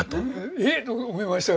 えっ！と思いましたよ